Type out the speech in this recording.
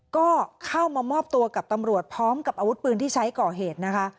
ก็เข้ามามอบตัวกับตำรวจพร้อมกับอาวุธปืนที่ใช้ก่อเหตุนะคะ